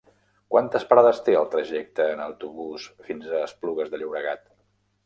Quantes parades té el trajecte en autobús fins a Esplugues de Llobregat?